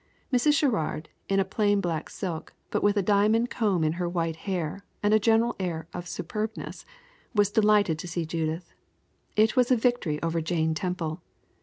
Mrs. Sherrard, in a plain black silk, but with a diamond comb in her white hair and a general air of superbness, was delighted to see Judith. It was a victory over Jane Temple.